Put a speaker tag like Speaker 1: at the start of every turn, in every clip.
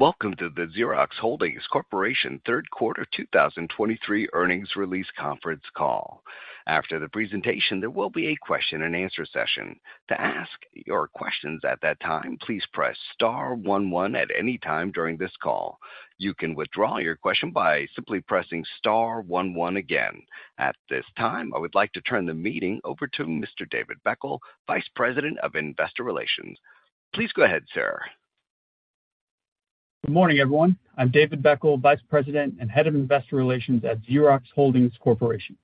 Speaker 1: Welcome to the Xerox Holdings Corporation Third Quarter 2023 Earnings Release Conference Call. After the presentation, there will be a question-and-answer session. To ask your questions at that time, please press star one one at any time during this call. You can withdraw your question by simply pressing star one one again. At this time, I would like to turn the meeting over to Mr. David Beckel, Vice President of Investor Relations. Please go ahead, sir.
Speaker 2: Good morning, everyone. I'm David Beckel, Vice President and Head of Investor Relations at Xerox Holdings Corporation.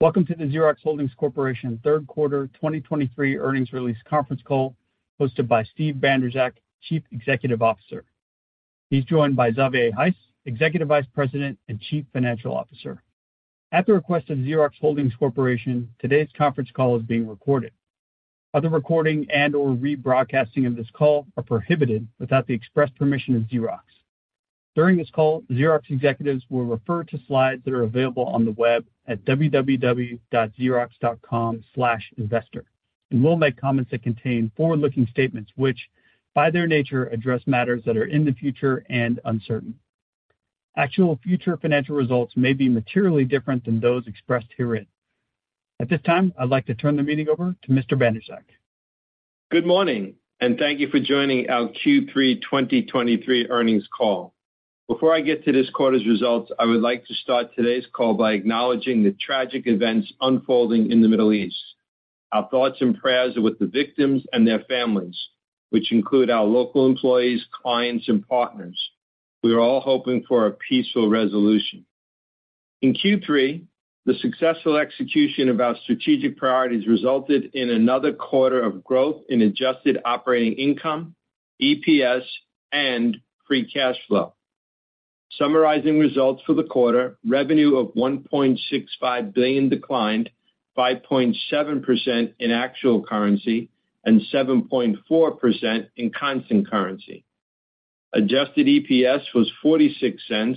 Speaker 2: Welcome to the Xerox Holdings Corporation Third Quarter 2023 Earnings Release Conference Call, hosted by Steve Bandrowczak, Chief Executive Officer. He's joined by Xavier Heiss, Executive Vice President and Chief Financial Officer. At the request of Xerox Holdings Corporation, today's conference call is being recorded. Other recording and/or rebroadcasting of this call are prohibited without the express permission of Xerox. During this call, Xerox executives will refer to slides that are available on the web at www.Xerox.com/investor, and will make comments that contain forward-looking statements, which, by their nature, address matters that are in the future and uncertain. Actual future financial results may be materially different than those expressed herein. At this time, I'd like to turn the meeting over to Mr. Bandrowczak.
Speaker 3: Good morning, and thank you for joining our Q3 2023 earnings call. Before I get to this quarter's results, I would like to start today's call by acknowledging the tragic events unfolding in the Middle East. Our thoughts and prayers are with the victims and their families, which include our local employees, clients, and partners. We are all hoping for a peaceful resolution. In Q3, the successful execution of our strategic priorities resulted in another quarter of growth in Adjusted Operating Income, EPS, and Free Cash Flow. Summarizing results for the quarter, revenue of $1.65 billion declined 5.7% in actual currency and 7.4% in constant currency. Adjusted EPS was $0.46,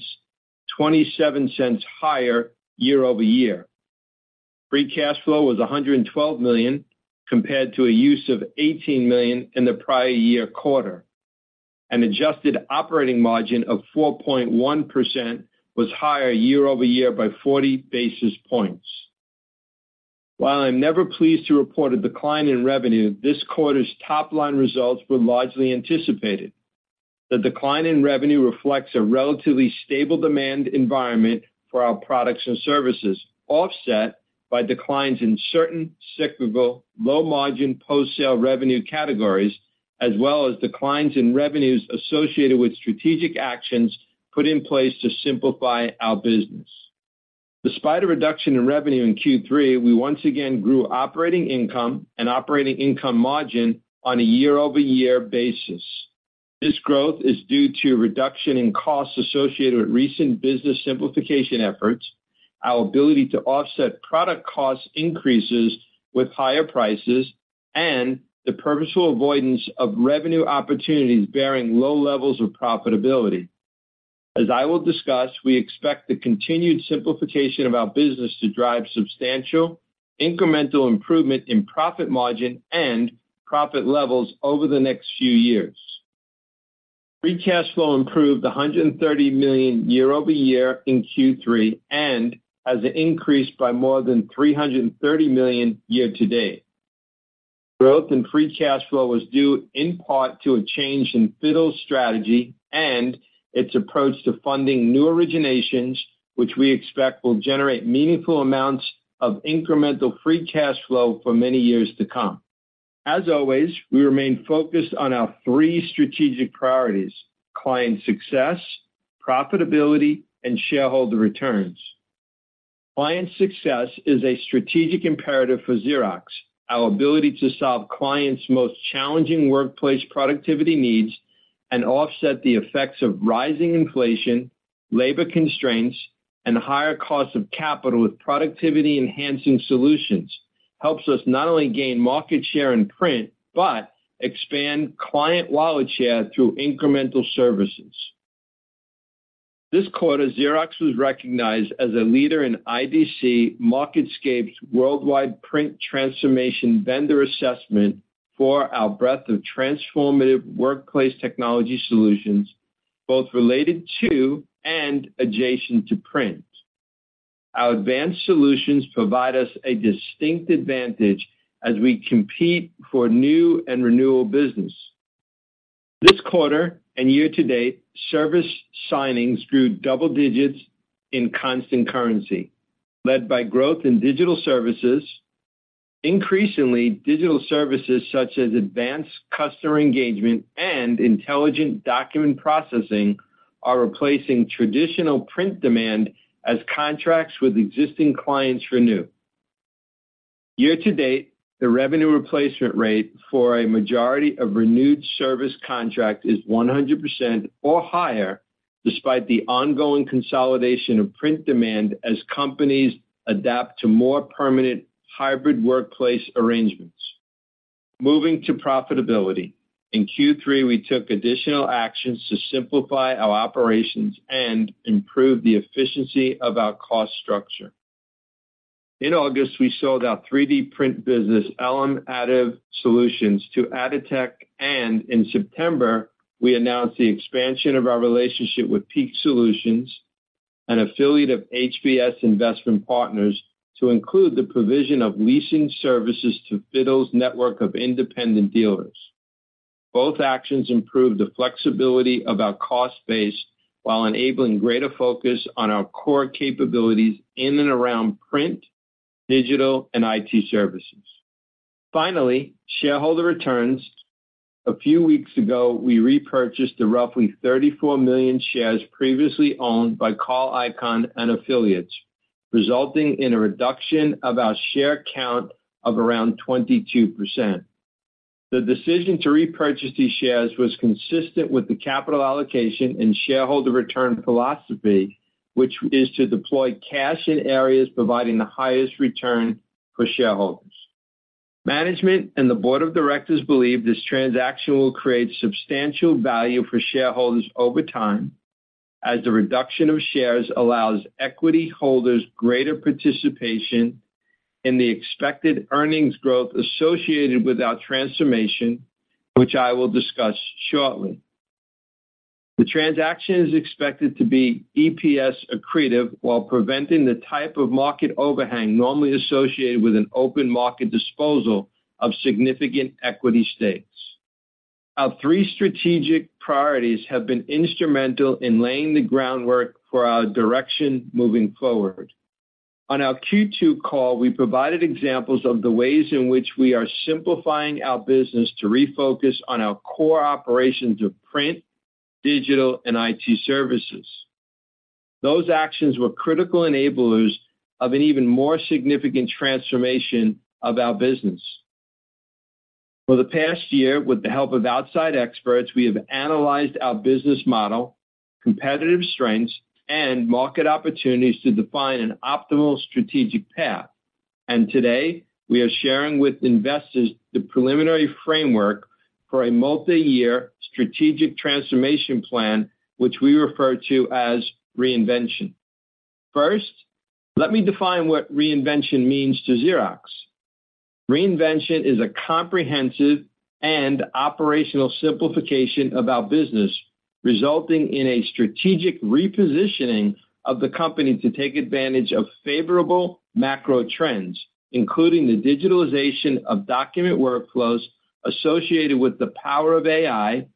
Speaker 3: $0.27 higher year-over-year. Free Cash Flow was $112 million, compared to a use of $18 million in the prior year quarter. An adjusted operating margin of 4.1% was higher year-over-year by 40 basis points. While I'm never pleased to report a decline in revenue, this quarter's top-line results were largely anticipated. The decline in revenue reflects a relatively stable demand environment for our products and services, offset by declines in certain cyclical, low-margin post-sale revenue categories, as well as declines in revenues associated with strategic actions put in place to simplify our business. Despite a reduction in revenue in Q3, we once again grew operating income and operating income margin on a year-over-year basis. This growth is due to reduction in costs associated with recent business simplification efforts, our ability to offset product cost increases with higher prices, and the purposeful avoidance of revenue opportunities bearing low levels of profitability. As I will discuss, we expect the continued simplification of our business to drive substantial incremental improvement in profit margin and profit levels over the next few years. Free Cash Flow improved $130 million year-over-year in Q3 and has increased by more than $330 million year-to-date. Growth in Free Cash Flow was due in part to a change in FITTLE's strategy and its approach to funding new originations, which we expect will generate meaningful amounts of incremental Free Cash Flow for many years to come. As always, we remain focused on our three strategic priorities: client success, profitability, and shareholder returns. Client success is a strategic imperative for Xerox. Our ability to solve clients' most challenging workplace productivity needs and offset the effects of rising inflation, labor constraints, and higher costs of capital with productivity-enhancing solutions, helps us not only gain market share in print, but expand client wallet share through incremental services. This quarter, Xerox was recognized as a leader in IDC MarketScape: Worldwide Print Transformation Vendor Assessment for our breadth of transformative workplace technology solutions, both related to and adjacent to print. Our advanced solutions provide us a distinct advantage as we compete for new and renewal business. This quarter and year-to-date, service signings grew double digits in constant currency, led by growth in digital services. Increasingly, digital services such as advanced customer engagement and Intelligent Document Processing are replacing traditional print demand as contracts with existing clients renew. Year to date, the revenue replacement rate for a majority of renewed service contract is 100% or higher, despite the ongoing consolidation of print demand as companies adapt to more permanent hybrid workplace arrangements. Moving to profitability. In Q3, we took additional actions to simplify our operations and improve the efficiency of our cost structure. In August, we sold our 3D print business, Elem Additive Solutions, to ADDiTEC, and in September, we announced the expansion of our relationship with PEAC Solutions, an affiliate of HPS Investment Partners, to include the provision of leasing services to FITTLE's network of independent dealers. Both actions improved the flexibility of our cost base while enabling greater focus on our core capabilities in and around print, digital, and IT services. Finally, shareholder returns. A few weeks ago, we repurchased the roughly 34 million shares previously owned by Carl Icahn and affiliates, resulting in a reduction of our share count of around 22%. The decision to repurchase these shares was consistent with the capital allocation and shareholder return philosophy, which is to deploy cash in areas providing the highest return for shareholders. Management and the board of directors believe this transaction will create substantial value for shareholders over time, as the reduction of shares allows equity holders greater participation in the expected earnings growth associated with our transformation, which I will discuss shortly. The transaction is expected to be EPS accretive, while preventing the type of market overhang normally associated with an open market disposal of significant equity stakes. Our three strategic priorities have been instrumental in laying the groundwork for our direction moving forward. On our Q2 call, we provided examples of the ways in which we are simplifying our business to refocus on our core operations of print, digital, and IT services. Those actions were critical enablers of an even more significant transformation of our business. For the past year, with the help of outside experts, we have analyzed our business model, competitive strengths, and market opportunities to define an optimal strategic path. And today, we are sharing with investors the preliminary framework for a multi-year strategic transformation plan, which we refer to as Reinvention. First, let me define what Reinvention means to Xerox. Reinvention is a comprehensive and operational simplification of our business, resulting in a strategic repositioning of the company to take advantage of favorable macro trends, including the digitalization of document workflows associated with the power of AI,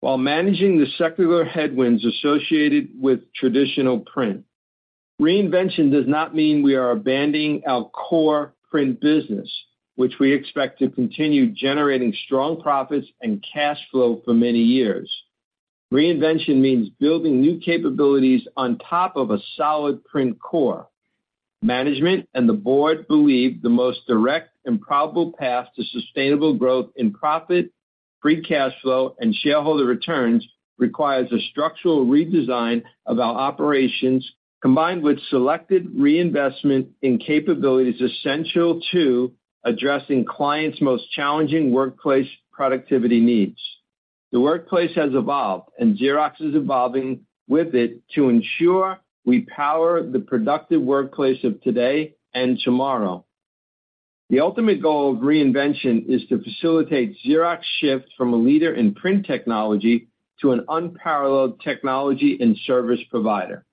Speaker 3: while managing the secular headwinds associated with traditional print. Reinvention does not mean we are abandoning our core print business, which we expect to continue generating strong profits and cash flow for many years. Reinvention means building new capabilities on top of a solid print core. Management and the board believe the most direct and probable path to sustainable growth in profit, Free Cash Flow, and shareholder returns requires a structural redesign of our operations, combined with selected Reinvention in capabilities essential to addressing clients' most challenging workplace productivity needs. The workplace has evolved, and Xerox is evolving with it to ensure we power the productive workplace of today and tomorrow. The ultimate goal of Reinvention is to facilitate Xerox's shift from a leader in print technology to an unparalleled technology and service provider.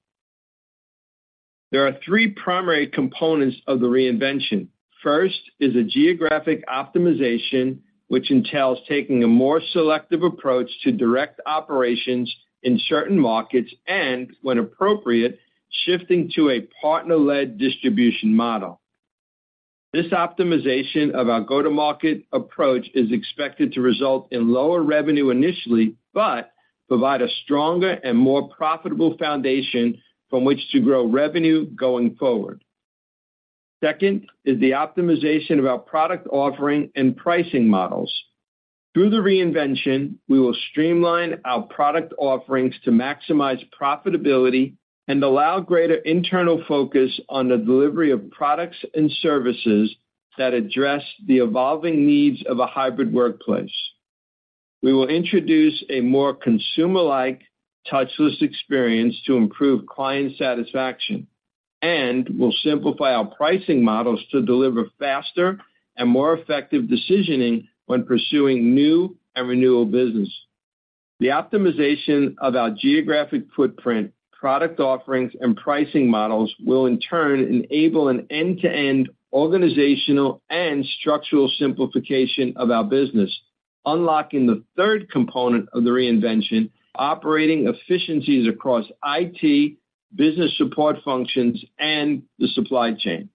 Speaker 3: There are three primary components of the Reinvention. First is a geographic optimization, which entails taking a more selective approach to direct operations in certain markets and, when appropriate, shifting to a partner-led distribution model. This optimization of our go-to-market approach is expected to result in lower revenue initially, but provide a stronger and more profitable foundation from which to grow revenue going forward. Second is the optimization of our product offering and pricing models. Through the Reinvention, we will streamline our product offerings to maximize profitability and allow greater internal focus on the delivery of products and services that address the evolving needs of a hybrid workplace. We will introduce a more consumer-like, touchless experience to improve client satisfaction, and we'll simplify our pricing models to deliver faster and more effective decisioning when pursuing new and renewal business. The optimization of our geographic footprint, product offerings, and pricing models will, in turn, enable an end-to-end organizational and structural simplification of our business, unlocking the third component of the Reinvention, operating efficiencies across IT, business support functions, and the supply chain.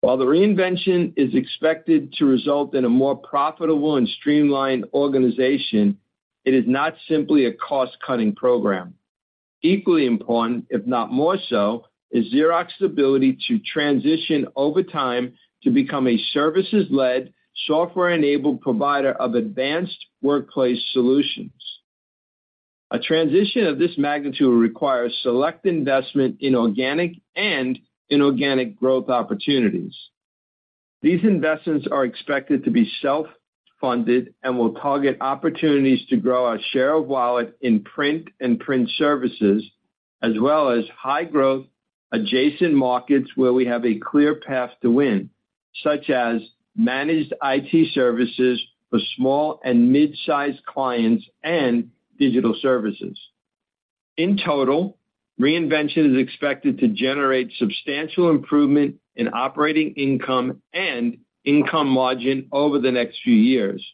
Speaker 3: While the Reinvention is expected to result in a more profitable and streamlined organization, it is not simply a cost-cutting program. Equally important, if not more so, is Xerox's ability to transition over time to become a services-led, software-enabled provider of advanced workplace solutions. A transition of this magnitude requires select investment in organic and inorganic growth opportunities.... These investments are expected to be self-funded and will target opportunities to grow our share of wallet in print and print services, as well as high growth adjacent markets where we have a clear path to win, such as managed IT services for small and mid-sized clients and digital services. In total, Reinvention is expected to generate substantial improvement in operating income and income margin over the next few years.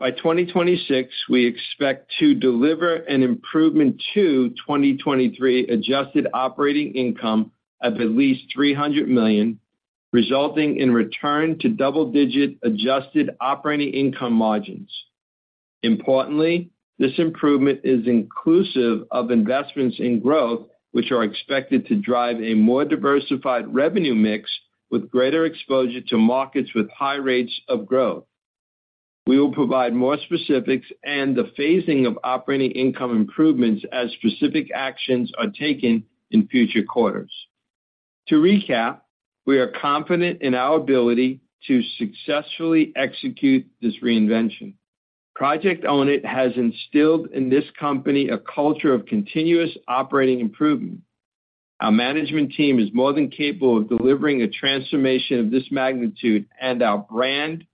Speaker 3: By 2026, we expect to deliver an improvement to 2023 Adjusted Operating Income of at least $300 million, resulting in return to double-digit Adjusted Operating Income margins. Importantly, this improvement is inclusive of investments in growth, which are expected to drive a more diversified revenue mix with greater exposure to markets with high rates of growth. We will provide more specifics and the phasing of operating income improvements as specific actions are taken in future quarters. To recap, we are confident in our ability to successfully execute this Reinvention. Project Own It has instilled in this company a culture of continuous operating improvement. Our management team is more than capable of delivering a transformation of this magnitude, and our brand,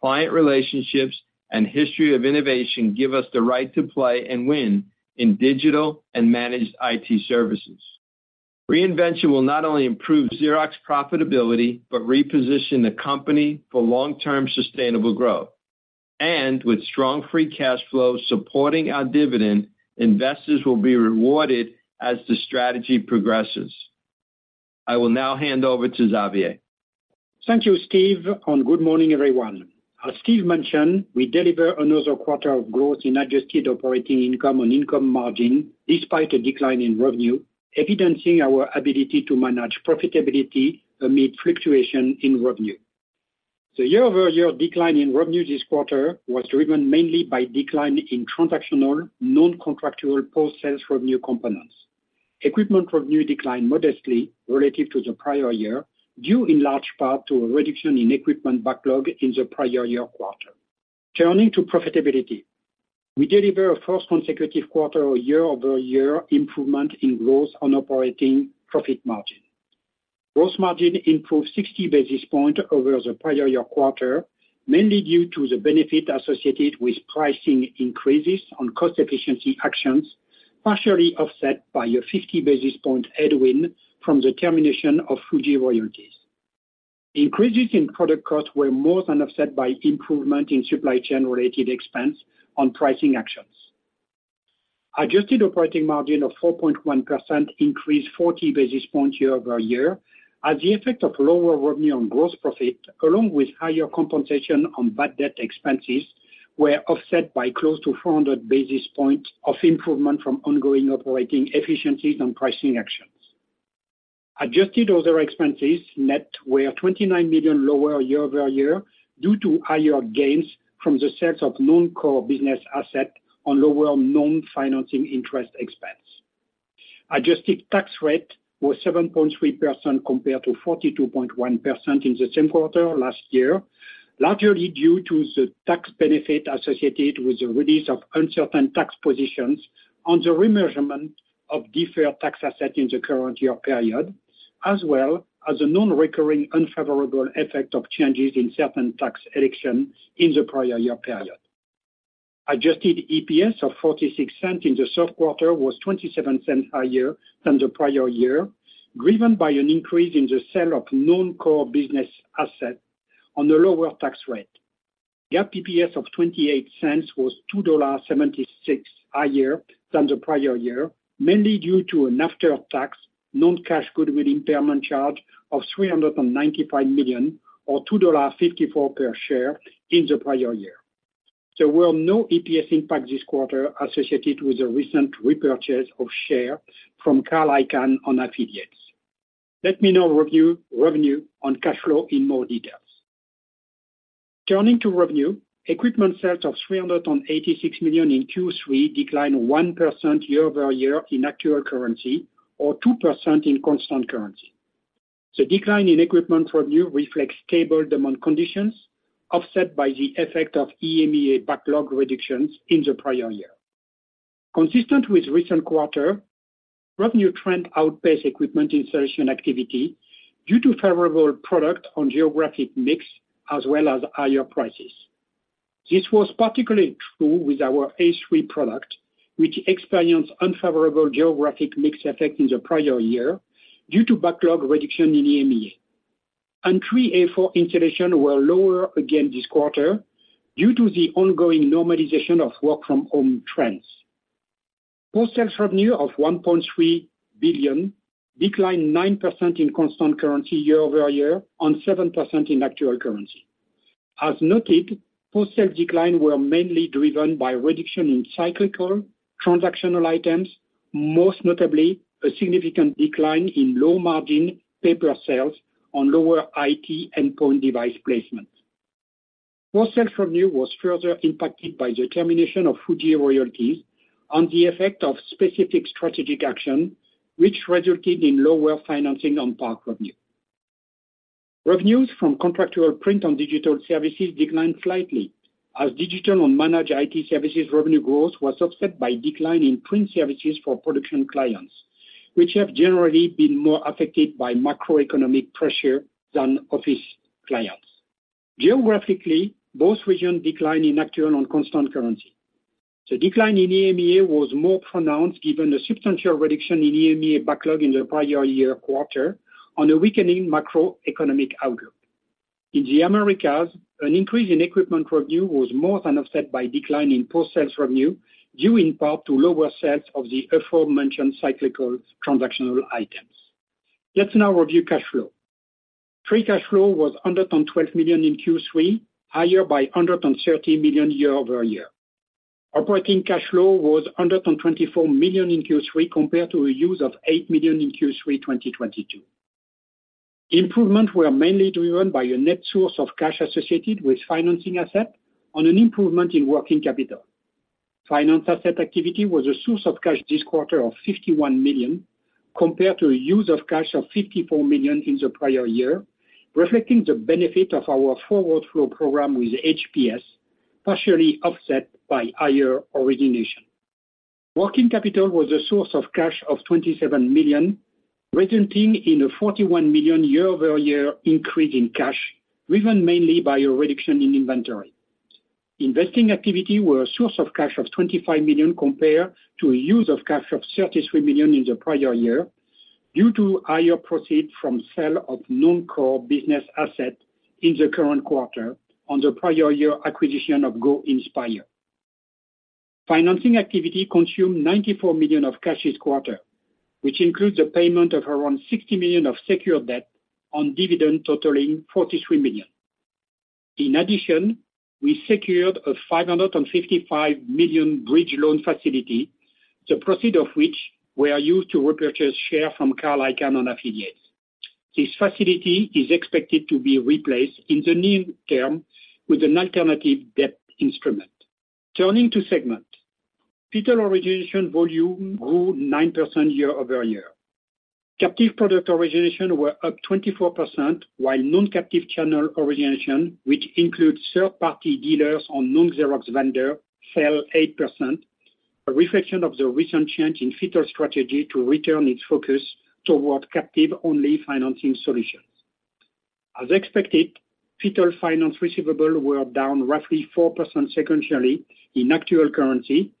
Speaker 3: client relationships, and history of innovation give us the right to play and win in digital and managed IT services. Reinvention will not only improve Xerox profitability, but reposition the company for long-term sustainable growth. With strong Free Cash Flow supporting our dividend, investors will be rewarded as the strategy progresses. I will now hand over to Xavier.
Speaker 4: Thank you, Steve, and good morning, everyone. As Steve mentioned, we deliver another quarter of growth in Adjusted Operating Income on income margin despite a decline in revenue, evidencing our ability to manage profitability amid fluctuation in revenue. The year-over-year decline in revenue this quarter was driven mainly by decline in transactional, non-contractual post-sales revenue components. Equipment revenue declined modestly relative to the prior year, due in large part to a reduction in equipment backlog in the prior year quarter. Turning to profitability, we deliver a first consecutive quarter of year-over-year improvement in growth on operating profit margin. Gross margin improved 60 basis point over the prior year quarter, mainly due to the benefit associated with pricing increases on cost efficiency actions, partially offset by a 50 basis point headwind from the termination of Fuji royalties. Increases in product costs were more than offset by improvement in supply chain-related expense on pricing actions. Adjusted Operating Margin of 4.1% increased 40 basis points year-over-year, as the effect of lower revenue on gross profit, along with higher compensation on bad debt expenses, were offset by close to 400 basis points of improvement from ongoing operating efficiencies on pricing actions. Adjusted other expenses net were $29 million lower year-over-year, due to higher gains from the sales of non-core business asset on lower non-financing interest expense. Adjusted Tax Rate was 7.3%, compared to 42.1% in the same quarter last year, largely due to the tax benefit associated with the release of uncertain tax positions on the remeasurement of deferred tax asset in the current year period, as well as a non-recurring unfavorable effect of changes in certain tax election in the prior year period. Adjusted EPS of $0.46 in the third quarter was $0.27 higher than the prior year, driven by an increase in the sale of non-core business asset on a lower tax rate. GAAP EPS of $0.28 was $2.76 higher than the prior year, mainly due to an after-tax non-cash goodwill impairment charge of $395 million, or $2.54 per share in the prior year. There were no EPS impact this quarter associated with the recent repurchase of shares from Carl Icahn and affiliates. Let me now review revenue and cash flow in more detail. Turning to revenue, equipment sales of $386 million in Q3 declined 1% year-over-year in actual currency or 2% in constant currency. The decline in equipment revenue reflects stable demand conditions, offset by the effect of EMEA backlog reductions in the prior year. Consistent with recent quarters, revenue trend outpaced equipment installation activity due to favorable product and geographic mix, as well as higher prices. This was particularly true with our A3 product, which experienced unfavorable geographic mix effect in the prior year due to backlog reduction in EMEA. A4 installations were lower again this quarter due to the ongoing normalization of work-from-home trends. Post-sales revenue of $1.3 billion declined 9% in constant currency year-over-year, and 7% in actual currency. As noted, post-sale decline were mainly driven by reduction in cyclical transactional items, most notably a significant decline in low-margin paper sales on lower IT endpoint device placement. Post-sales revenue was further impacted by the termination of Fuji royalties and the effect of specific strategic action, which resulted in lower financing on park revenue. Revenues from contractual print and digital services declined slightly, as digital and managed IT services revenue growth was offset by decline in print services for production clients, which have generally been more affected by macroeconomic pressure than office clients. Geographically, both regions declined in actual and constant currency. The decline in EMEA was more pronounced, given the substantial reduction in EMEA backlog in the prior year quarter on a weakening macroeconomic outlook. In the Americas, an increase in equipment revenue was more than offset by decline in post-sales revenue, due in part to lower sales of the aforementioned cyclical transactional items. Let's now review cash flow. Free cash flow was $112 million in Q3, higher by $130 million year-over-year. Operating Cash Flow was $124 million in Q3, compared to a use of $8 million in Q3 2022. Improvements were mainly driven by a net source of cash associated with financing assets and an improvement in working capital. Finance asset activity was a source of cash this quarter of $51 million, compared to a use of cash of $54 million in the prior year, reflecting the benefit of our Forward Flow Program with HPS, partially offset by higher origination. Working capital was a source of cash of $27 million, resulting in a $41 million year-over-year increase in cash, driven mainly by a reduction in inventory. Investing activity were a source of cash of $25 million, compared to a use of cash of $33 million in the prior year, due to higher proceeds from sale of non-core business asset in the current quarter on the prior year acquisition of Go Inspire. Financing activity consumed $94 million of cash this quarter, which includes a payment of around $60 million of secured debt on dividend totaling $43 million. In addition, we secured a $555 million bridge loan facility, the proceeds of which were used to repurchase share from Icahn and affiliates. This facility is expected to be replaced in the near term with an alternative debt instrument. Turning to segment. FITTLE origination volume grew 9% year-over-year. Captive product origination were up 24%, while non-captive channel origination, which includes third-party dealers on non-Xerox vendor, fell 8%, a reflection of the recent change in FITTLE strategy to return its focus toward captive-only financing solutions. As expected, FITTLE finance receivable were down roughly 4% sequentially in actual currency,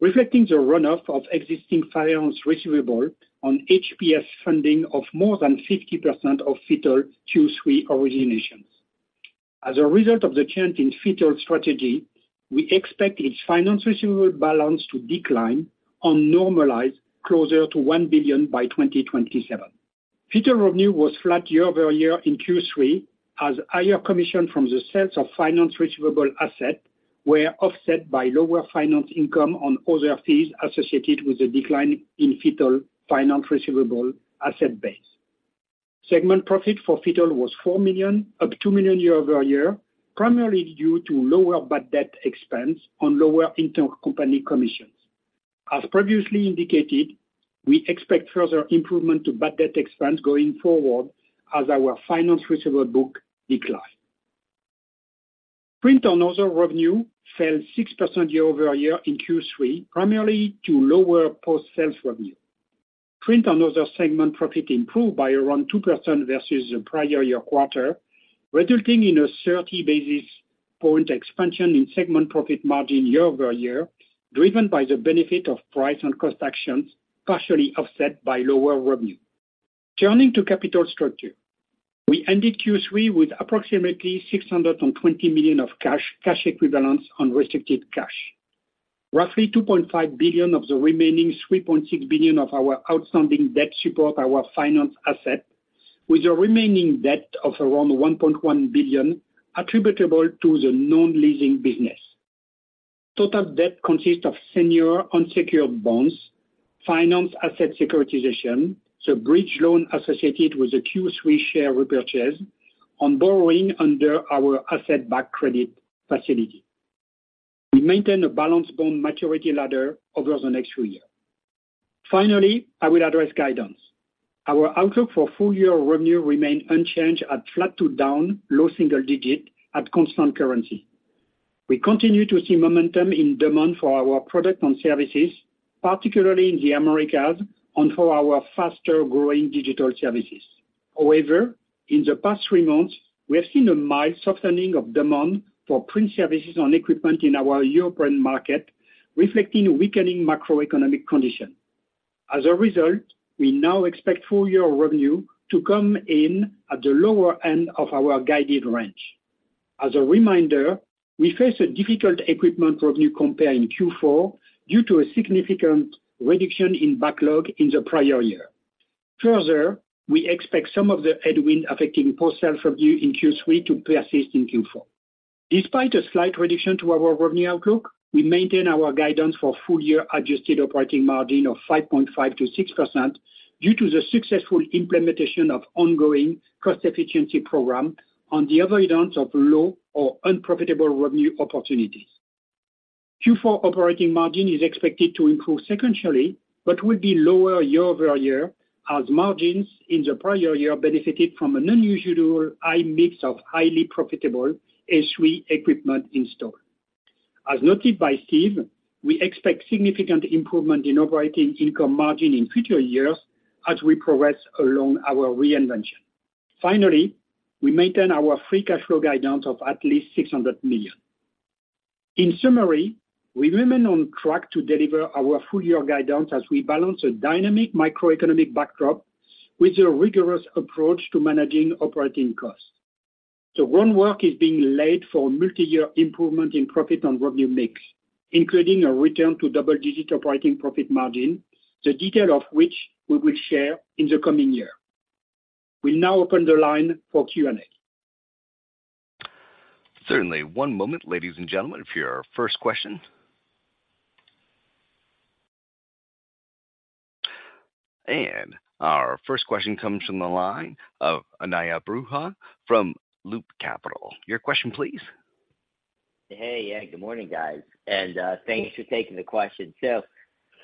Speaker 4: reflecting the runoff of existing finance receivable on HPS funding of more than 50% of FITTLE Q3 originations. As a result of the change in FITTLE strategy, we expect its finance receivable balance to decline and normalize closer to $1 billion by 2027. FITTLE revenue was flat year-over-year in Q3, as higher commission from the sales of finance receivable asset were offset by lower finance income on other fees associated with the decline in FITTLE finance receivable asset base. Segment profit for FITTLE was $4 million, up $2 million year-over-year, primarily due to lower bad debt expense on lower intercompany commissions. As previously indicated, we expect further improvement to bad debt expense going forward as our finance receivable book decline. Print and other revenue fell 6% year-over-year in Q3, primarily to lower post-sales revenue. Print and other segment profit improved by around 2% versus the prior year quarter, resulting in a 30 basis point expansion in segment profit margin year-over-year, driven by the benefit of price and cost actions, partially offset by lower revenue. Turning to capital structure. We ended Q3 with approximately $620 million of cash, cash equivalents, and restricted cash. Roughly $2.5 billion of the remaining $3.6 billion of our outstanding debt support our finance asset, with a remaining debt of around $1.1 billion attributable to the non-leasing business. Total debt consists of senior unsecured bonds, finance asset securitization, the bridge loan associated with the Q3 share repurchase, and borrowing under our asset-backed credit facility. We maintain a balanced bond maturity ladder over the next three years. Finally, I will address guidance. Our outlook for full-year revenue remain unchanged at flat to down, low single digit at constant currency. We continue to see momentum in demand for our product and services, particularly in the Americas and for our faster-growing digital services. However, in the past three months, we have seen a mild softening of demand for print services on equipment in our European market, reflecting weakening macroeconomic condition. As a result, we now expect full-year revenue to come in at the lower end of our guided range. As a reminder, we face a difficult equipment revenue compare in Q4 due to a significant reduction in backlog in the prior year. Further, we expect some of the headwind affecting post-sale revenue in Q3 to persist in Q4. Despite a slight reduction to our revenue outlook, we maintain our guidance for full-year Adjusted Operating Margin of 5.5%-6% due to the successful implementation of ongoing cost efficiency program on the avoidance of low or unprofitable revenue opportunities. Q4 operating margin is expected to improve sequentially, but will be lower year-over-year, as margins in the prior year benefited from an unusual high mix of highly profitable S3 equipment in store. As noted by Steve, we expect significant improvement in operating income margin in future years as we progress along our Reinvention. Finally, we maintain our Free Cash Flow guidance of at least $600 million. In summary, we remain on track to deliver our full year guidance as we balance a dynamic macroeconomic backdrop with a rigorous approach to managing operating costs. So groundwork is being laid for multi-year improvement in profit on revenue mix, including a return to double-digit Operating Profit Margin, the detail of which we will share in the coming year. We'll now open the line for Q&A.
Speaker 1: Certainly, one moment, ladies and gentlemen, for your first question. Our first question comes from the line of Ananda Baruah from Loop Capital. Your question, please.
Speaker 5: Hey, yeah, good morning, guys, and, thanks for taking the question. So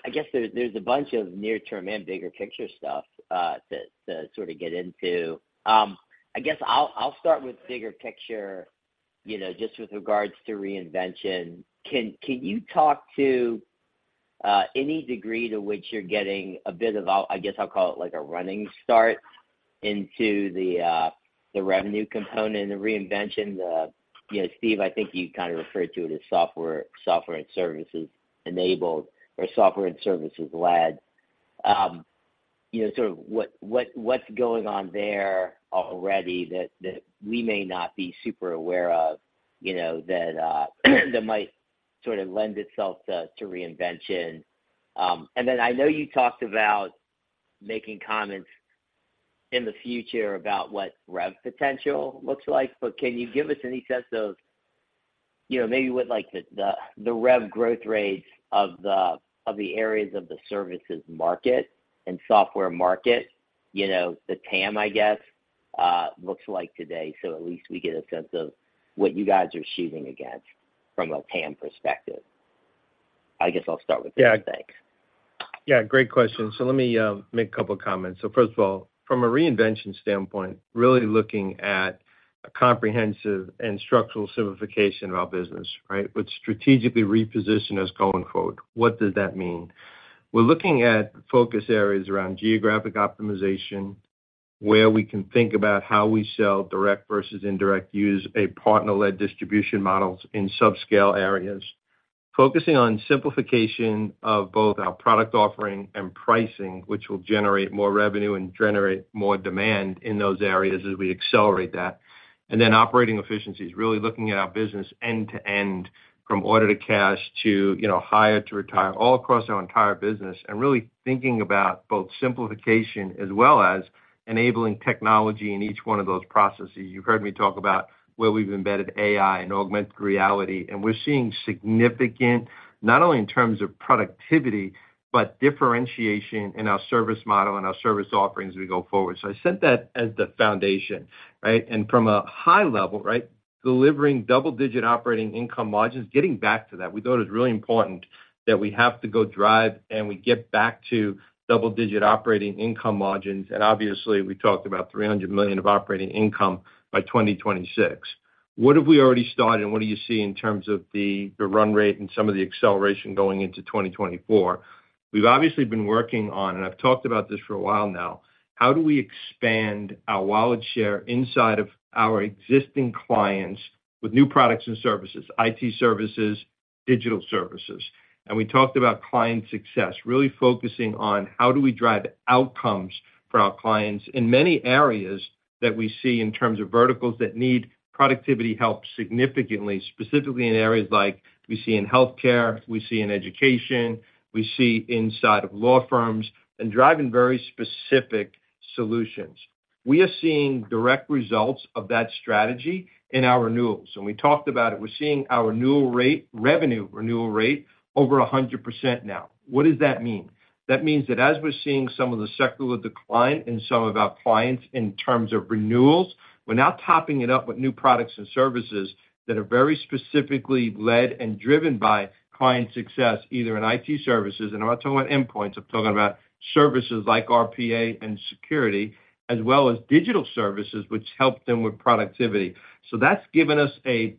Speaker 5: I guess there, there's a bunch of near-term and bigger picture stuff, to sort of get into. I guess I'll start with bigger picture, you know, just with regards to Reinvention. Can you talk to any degree to which you're getting a bit of a, I guess I'll call it like a running start into the revenue component, the Reinvention, the... You know, Steve, I think you kind of referred to it as software and services enabled or software and services led. You know, sort of what's going on there already that we may not be super aware of, you know, that might sort of lend itself to Reinvention? And then I know you talked about making comments in the future about what revenue potential looks like, but can you give us any sense of, you know, maybe what, like, the revenue growth rates of the areas of the services market and software market, you know, the TAM, I guess, looks like today, so at least we get a sense of what you guys are shooting against from a TAM perspective? I guess I'll start with that, thanks.
Speaker 3: Yeah. Great question. So let me make a couple comments. So first of all, from a Reinvention standpoint, really looking at a comprehensive and structural simplification of our business, right? Which strategically reposition us, quote, unquote. What does that mean? We're looking at focus areas around geographic optimization, where we can think about how we sell direct versus indirect, use a partner-led distribution models in subscale areas. Focusing on simplification of both our product offering and pricing, which will generate more revenue and generate more demand in those areas as we accelerate that. And then operating efficiencies, really looking at our business end-to-end, from order to cash to, you know, hire to retire, all across our entire business, and really thinking about both simplification as well as enabling technology in each one of those processes. You've heard me talk about where we've embedded AI and augmented reality, and we're seeing significant, not only in terms of productivity, but differentiation in our service model and our service offerings as we go forward. So I set that as the foundation, right? And from a high level, right, delivering double-digit Operating Income Margins, getting back to that, we thought it was really important that we have to go drive and we get back to double-digit Operating Income Margins. And obviously, we talked about $300 million of operating income by 2026. What have we already started and what do you see in terms of the run rate and some of the acceleration going into 2024? We've obviously been working on, and I've talked about this for a while now, how do we expand our wallet share inside of our existing clients with new products and services, IT services, digital services? And we talked about client success, really focusing on how do we drive outcomes for our clients in many areas that we see in terms of verticals that need productivity help significantly, specifically in areas like we see in healthcare, we see in education, we see inside of law firms, and driving very specific solutions. We are seeing direct results of that strategy in our renewals, and we talked about it. We're seeing our renewal rate, revenue renewal rate over 100% now. What does that mean? That means that as we're seeing some of the secular decline in some of our clients in terms of renewals, we're now topping it up with new products and services that are very specifically led and driven by client success, either in IT services, and I'm not talking about endpoints, I'm talking about services like RPA and security, as well as digital services, which help them with productivity. So that's given us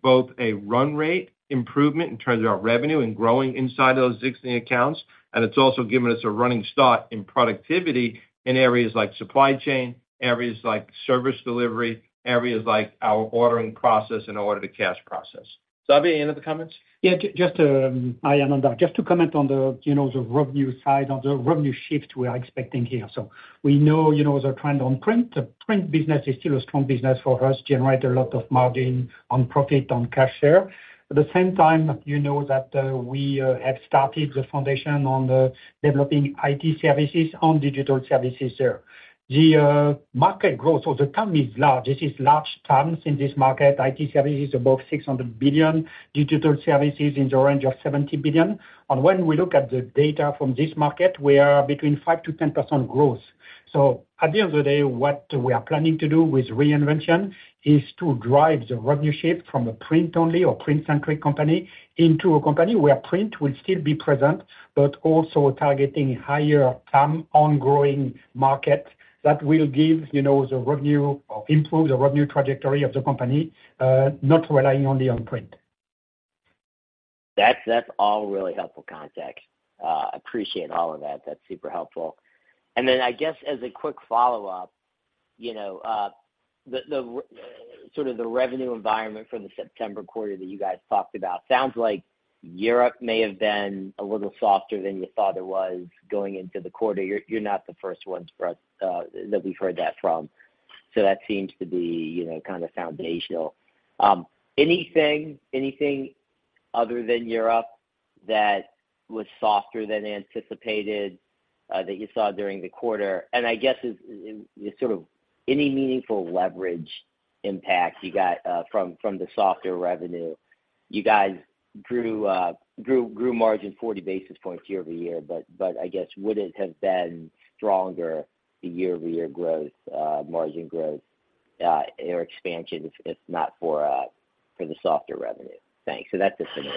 Speaker 3: both a run rate improvement in terms of our revenue and growing inside those existing accounts, and it's also given us a running start in productivity in areas like supply chain, areas like service delivery, areas like our ordering process and order to cash process. Xavier, any other comments?
Speaker 4: Yeah, just to, hi, Ananda. Just to comment on the, you know, the revenue side, on the revenue shift we are expecting here. So we know, you know, the trend on print. The print business is still a strong business for us, generate a lot of margin on profit, on cash share. At the same time, you know that, we, have started the foundation on the developing IT services on digital services there. The market growth of the TAM is large. This is large terms in this market. IT services above $600 billion, digital services in the range of $70 billion. And when we look at the data from this market, we are between 5%-10% growth. So at the end of the day, what we are planning to do with Reinvention is to drive the revenue shape from a print-only or print-centric company into a company where print will still be present, but also targeting higher TAM ongoing market that will give, you know, the revenue or improve the revenue trajectory of the company, not relying only on print....
Speaker 5: That's, that's all really helpful context. Appreciate all of that. That's super helpful. And then I guess as a quick follow-up, you know, the sort of the revenue environment for the September quarter that you guys talked about, sounds like Europe may have been a little softer than you thought it was going into the quarter. You're not the first ones for us that we've heard that from. So that seems to be, you know, kind of foundational. Anything other than Europe that was softer than anticipated that you saw during the quarter? And I guess sort of any meaningful leverage impact you got from the softer revenue. You guys grew margin 40 basis points year-over-year, but I guess would it have been stronger the year-over-year growth, margin growth, or expansion, if not for the softer revenue? Thanks. So that's just for me.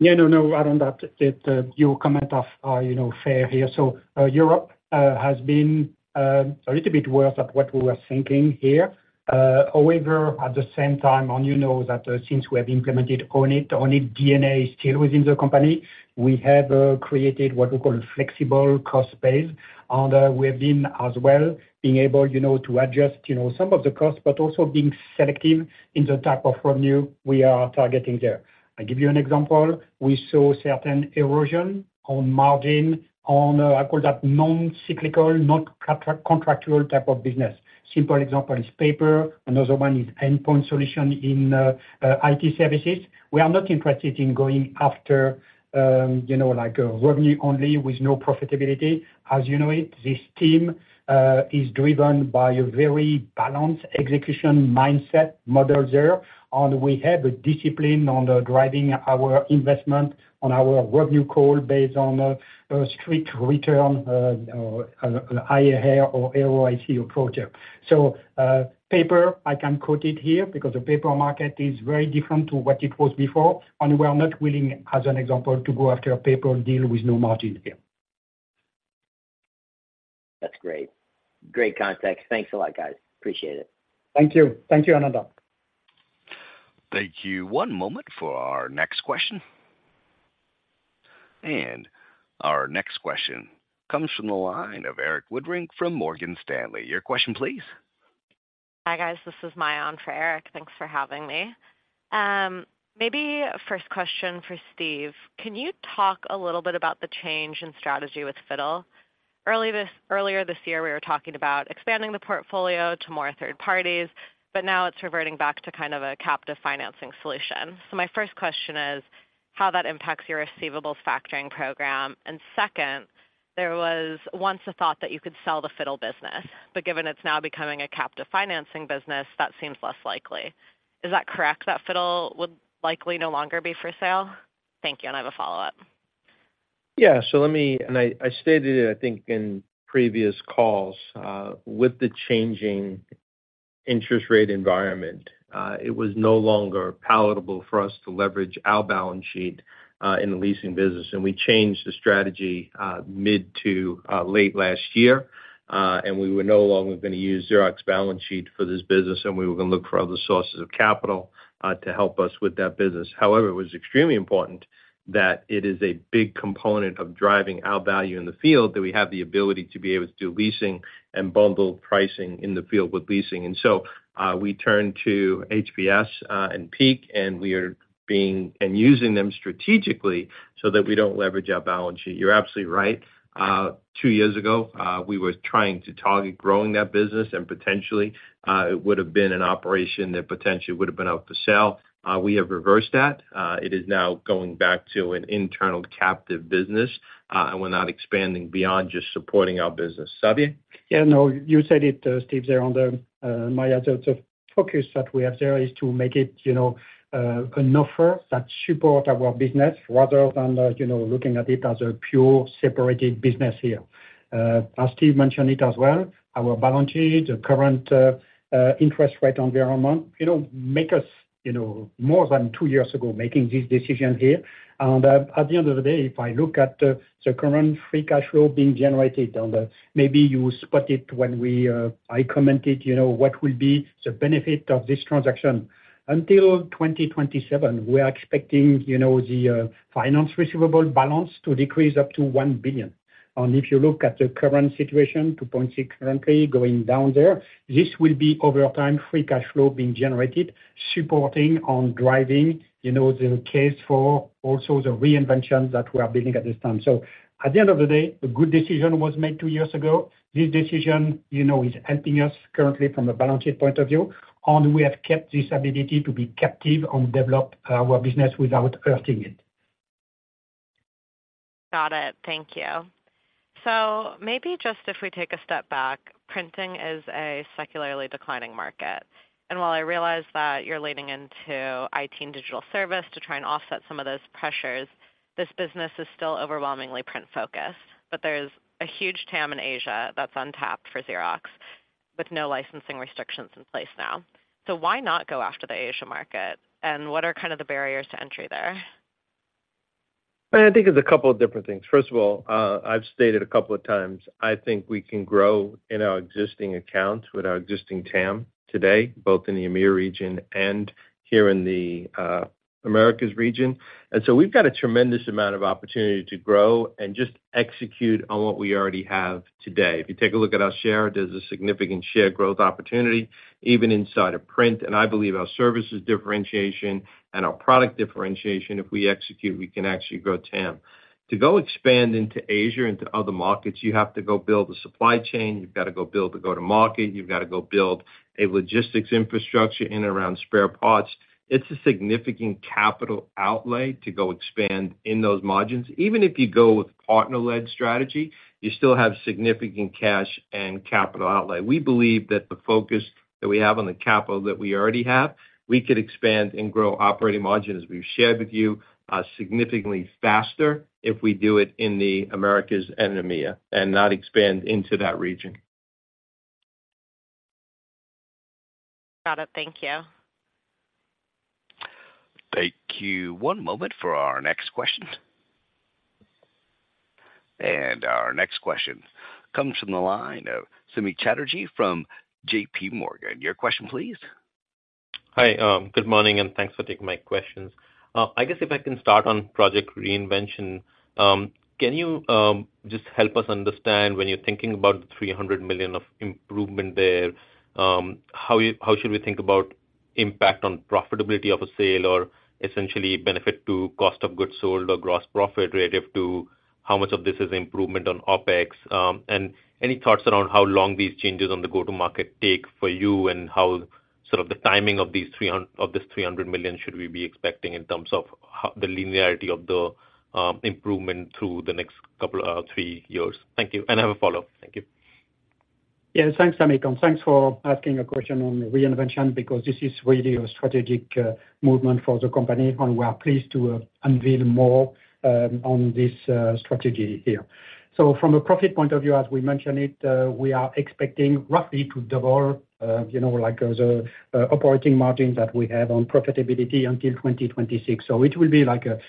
Speaker 4: Yeah, no, no, Ananda, that, it, your comment of, you know, fair here. So, Europe has been a little bit worse at what we were thinking here. However, at the same time, and you know that, since we have implemented on it, on it, DNA is still within the company, we have created what we call flexible cost base. And, we have been as well, being able, you know, to adjust, you know, some of the costs, but also being selective in the type of revenue we are targeting there. I give you an example: We saw certain erosion on margin on, I call that non-cyclical, not contra-contractual type of business. Simple example is paper. Another one is endpoint solution in IT services. We are not interested in going after, you know, like, revenue only with no profitability. As you know it, this team is driven by a very balanced execution mindset model there, and we have a discipline on the driving our investment, on our revenue call, based on a strict return, or an IRR or ROIC approach here. So, paper, I can quote it here, because the paper market is very different to what it was before, and we are not willing, as an example, to go after a paper deal with no margin here.
Speaker 5: That's great. Great context. Thanks a lot, guys. Appreciate it.
Speaker 4: Thank you. Thank you, Anan.
Speaker 1: Thank you. One moment for our next question. Our next question comes from the line of Erik Woodring from Morgan Stanley. Your question, please.
Speaker 6: Hi, guys. This is Maya on for Erik. Thanks for having me. Maybe first question for Steve. Can you talk a little bit about the change in strategy with FITTLE? Earlier this year, we were talking about expanding the portfolio to more third parties, but now it's reverting back to kind of a captive financing solution. So my first question is, how that impacts your receivables factoring program? And second, there was once a thought that you could sell the FITTLE business, but given it's now becoming a captive financing business, that seems less likely. Is that correct, that FITTLE would likely no longer be for sale? Thank you, and I have a follow-up.
Speaker 3: Yeah, so let me. And I stated it, I think, in previous calls, with the changing interest rate environment, it was no longer palatable for us to leverage our balance sheet in the leasing business, and we changed the strategy mid to late last year. And we were no longer going to use Xerox balance sheet for this business, and we were going to look for other sources of capital to help us with that business. However, it was extremely important that it is a big component of driving our value in the field, that we have the ability to be able to do leasing and bundle pricing in the field with leasing. And so, we turned to HPS and PEAC, and we are using them strategically so that we don't leverage our balance sheet. You're absolutely right. Two years ago, we were trying to target growing that business and potentially, it would've been an operation that potentially would've been up for sale. We have reversed that. It is now going back to an internal captive business, and we're not expanding beyond just supporting our business. Xavier?
Speaker 4: Yeah, no, you said it, Steve, there on the, our areas of focus that we have there is to make it, you know, an offer that support our business rather than, you know, looking at it as a pure separated business here. As Steve mentioned it as well, our balance sheet, the current interest rate environment, it don't make us, you know, more than two years ago, making this decision here. And at the end of the day, if I look at the current Free Cash Flow being generated, and maybe you spot it when I commented, you know, what will be the benefit of this transaction. Until 2027, we are expecting, you know, the finance receivable balance to decrease up to $1 billion. If you look at the current situation, 2.6%, currently going down there, this will be, over time, Free Cash Flow being generated, supporting on driving, you know, the case for also the Reinvention that we are building at this time. At the end of the day, a good decision was made two years ago. This decision, you know, is helping us currently from a balance sheet point of view, and we have kept this ability to be captive and develop our business without hurting it.
Speaker 6: Got it. Thank you. So maybe just if we take a step back, printing is a secularly declining market, and while I realize that you're leaning into IT and digital service to try and offset some of those pressures, this business is still overwhelmingly print focused. But there's a huge TAM in Asia that's untapped for Xerox, with no licensing restrictions in place now. So why not go after the Asia market, and what are kind of the barriers to entry there? ...
Speaker 3: I think it's a couple of different things. First of all, I've stated a couple of times, I think we can grow in our existing accounts with our existing TAM today, both in the EMEA region and here in the Americas region. And so we've got a tremendous amount of opportunity to grow and just execute on what we already have today. If you take a look at our share, there's a significant share growth opportunity, even inside of print. And I believe our services differentiation and our product differentiation, if we execute, we can actually grow TAM. To go expand into Asia, into other markets, you have to go build a supply chain, you've got to go build a go-to-market, you've got to go build a logistics infrastructure in and around spare parts. It's a significant capital outlay to go expand in those markets. Even if you go with partner-led strategy, you still have significant cash and capital outlay. We believe that the focus that we have on the capital that we already have, we could expand and grow operating margins, as we've shared with you, significantly faster if we do it in the Americas and EMEA, and not expand into that region.
Speaker 6: Got it. Thank you.
Speaker 1: Thank you. One moment for our next question. Our next question comes from the line of Samik Chatterjee from JP Morgan. Your question, please.
Speaker 7: Hi, good morning, and thanks for taking my questions. I guess if I can start on Project Reinvention, can you just help us understand when you're thinking about the $300 million of improvement there, how should we think about impact on profitability of a sale, or essentially benefit to cost of goods sold or gross profit, relative to how much of this is improvement on OpEx? And any thoughts around how long these changes on the go-to market take for you, and how sort of the timing of this $300 million should we be expecting in terms of the linearity of the improvement through the next couple or three years? Thank you, and I have a follow-up. Thank you.
Speaker 4: Yeah, thanks, Samik, and thanks for asking a question on Reinvention, because this is really a strategic movement for the company, and we're pleased to unveil more on this strategy here. So from a profit point of view, as we mentioned it, we are expecting roughly to double, you know, like, the operating margin that we have on profitability until 2026. So it will be like a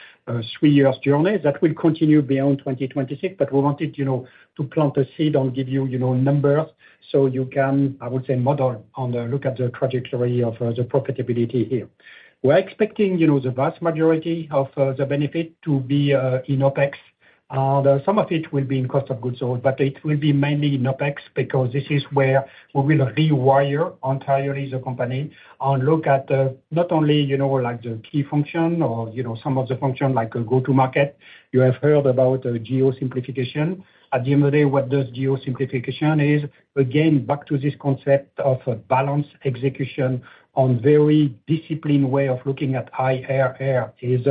Speaker 4: three years journey that will continue beyond 2026, but we wanted, you know, to plant a seed and give you, you know, numbers so you can, I would say, model on look at the trajectory of the profitability here. We're expecting, you know, the vast majority of the benefit to be in OpEx. Some of it will be in cost of goods sold, but it will be mainly in OpEx, because this is where we will rewire entirely the company and look at, not only, you know, like, the key function or, you know, some of the function like a go-to market. You have heard about the GEO simplification. At the end of the day, what does GEO simplification is, again, back to this concept of balance execution on very disciplined way of looking at high IRR. Is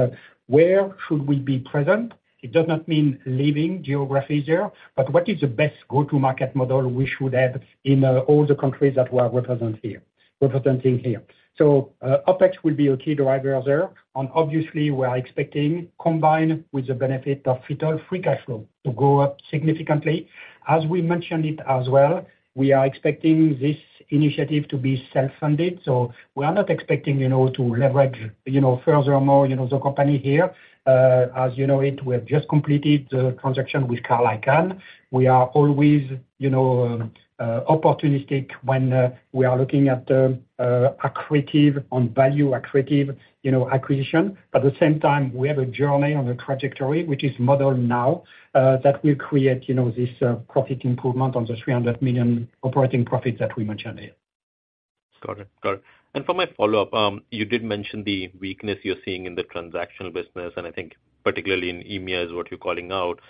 Speaker 4: where should we be present? It does not mean leaving geographies here, but what is the best go-to market model we should have in all the countries that we are represent here, representing here? So, OpEx will be a key driver there, and obviously we are expecting, combined with the benefit of FITTLE Free Cash Flow to go up significantly. As we mentioned it as well, we are expecting this initiative to be self-funded, so we are not expecting, you know, to leverage, you know, furthermore, you know, the company here. As you know it, we have just completed the transaction with Carl Icahn. We are always, you know, opportunistic when, we are looking at the, accretive on value accretive, you know, acquisition. At the same time, we have a journey on the trajectory, which is modeled now, that will create, you know, this, profit improvement on the $300 million operating profit that we mentioned here.
Speaker 7: Got it. Got it. And for my follow-up, you did mention the weakness you're seeing in the transactional business, and I think particularly in EMEA is what you're calling out.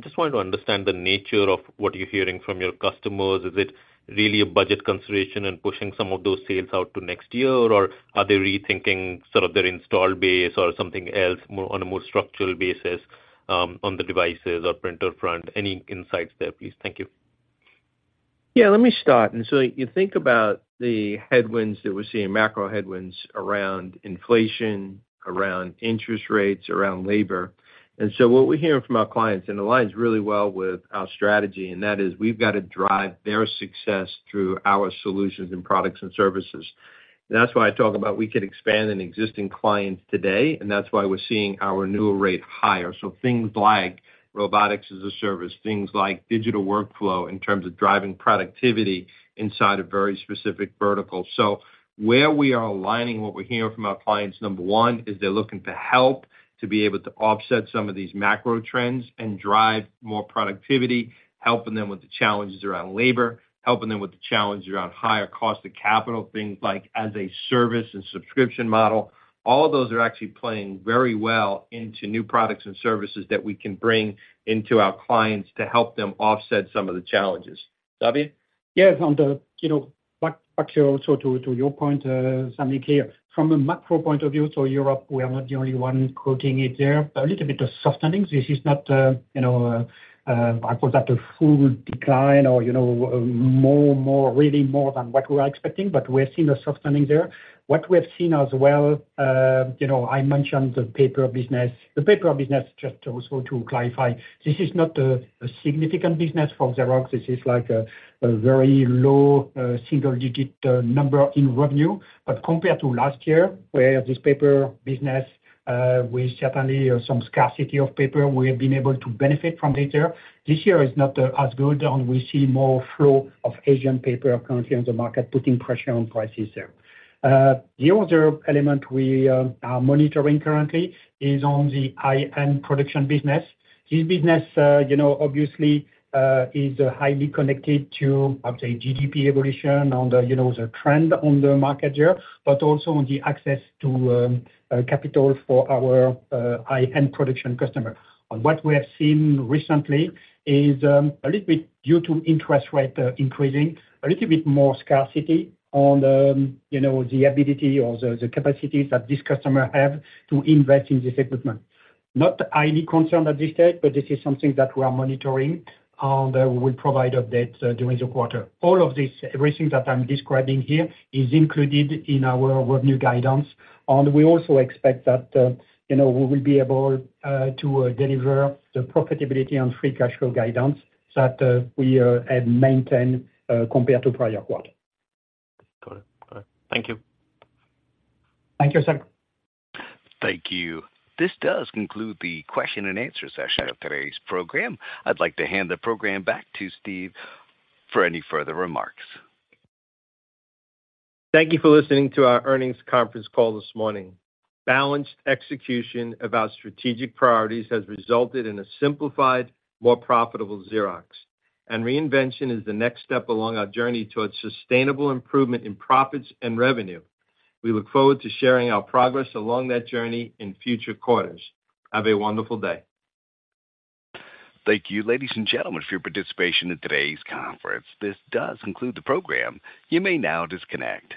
Speaker 7: Just wanted to understand the nature of what you're hearing from your customers. Is it really a budget consideration and pushing some of those sales out to next year, or are they rethinking sort of their install base or something else, more on a more structural basis, on the devices or printer front? Any insights there, please? Thank you.
Speaker 3: Yeah, let me start. And so you think about the headwinds that we're seeing, macro headwinds around inflation, around interest rates, around labor. And so what we're hearing from our clients, and aligns really well with our strategy, and that is, we've got to drive their success through our solutions and products and services. That's why I talk about we could expand an existing client today, and that's why we're seeing our renewal rate higher. So things like robotics as a service, things like digital workflow in terms of driving productivity inside a very specific vertical. So where we are aligning what we're hearing from our clients, number one, is they're looking for help to be able to offset some of these macro trends and drive more productivity, helping them with the challenges around labor, helping them with the challenges around higher cost of capital, things like as a service and subscription model. All those are actually playing very well into new products and services that we can bring into our clients to help them offset some of the challenges. David?...
Speaker 4: Yes, on the, you know, back, back also to, to your point, Samik Chatterjee. From a macro point of view, so Europe, we are not the only one quoting it there. A little bit of softening. This is not, you know, I call that a full decline or, you know, more, more, really more than what we are expecting, but we're seeing a softening there. What we have seen as well, you know, I mentioned the paper business. The paper business, just also to clarify, this is not a significant business for Xerox. This is like a very low, single-digit number in revenue. But compared to last year, where this paper business, with certainly some scarcity of paper, we have been able to benefit from data. This year is not as good, and we see more flow of Asian paper currently on the market, putting pressure on prices there. The other element we are monitoring currently is on the high-end production business. This business, you know, obviously, is highly connected to, I would say, GDP evolution on the, you know, the trend on the market there, but also on the access to capital for our high-end production customer. On what we have seen recently is a little bit due to interest rate increasing, a little bit more scarcity on the, you know, the ability or the capacities that this customer have to invest in this equipment. Not highly concerned at this stage, but this is something that we are monitoring, and we will provide updates during the quarter. All of this, everything that I'm describing here, is included in our revenue guidance. And we also expect that, you know, we will be able to deliver the profitability on Free Cash Flow guidance that we have maintained, compared to prior quarter.
Speaker 7: Got it. Got it. Thank you.
Speaker 4: Thank you, sir.
Speaker 1: Thank you. This does conclude the question and answer session of today's program. I'd like to hand the program back to Steve for any further remarks.
Speaker 3: Thank you for listening to our earnings conference call this morning. Balanced execution of our strategic priorities has resulted in a simplified, more profitable Xerox. Reinvention is the next step along our journey towards sustainable improvement in profits and revenue. We look forward to sharing our progress along that journey in future quarters. Have a wonderful day.
Speaker 1: Thank you, ladies and gentlemen, for your participation in today's conference. This does conclude the program. You may now disconnect.